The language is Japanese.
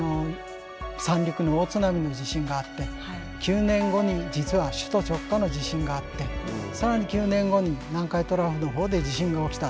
三陸の大津波の地震があって９年後に実は首都直下の地震があって更に９年後に南海トラフの方で地震が起きた。